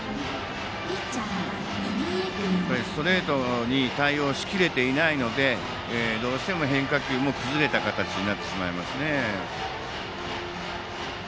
ストレートに対応し切れていないのでどうしても変化球も崩れた形になってしまいますね。